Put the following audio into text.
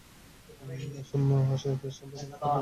এ সময়ে ওয়াহশী অতি সন্তর্পণে পা টিপে টিপে অগ্রসর হয়।